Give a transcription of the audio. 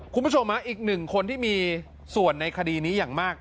คุณผู้ชมอีกหนึ่งคนที่มีส่วนในคดีนี้อย่างมาก